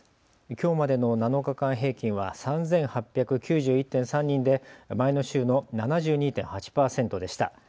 きょうまでの７日間平均は３８９１．３人で前の週の７２．８％でした。